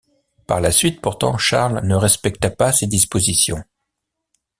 Par la suite pourtant Charles ne respecta pas ces dispositions.